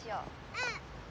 うん！